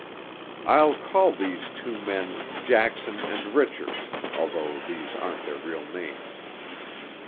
I'll call these two men Jackson and Richards although these aren't their real names.